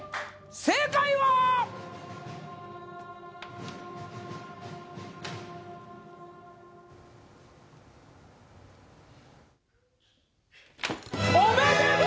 正解はおめでとう！